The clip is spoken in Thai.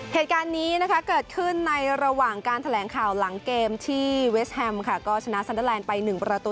เหตุการณ์นี้นะคะเกิดขึ้นในระหว่างการแถลงข่าวหลังเกมที่เวสแฮมค่ะก็ชนะซันเดอร์แลนด์ไป๑ประตู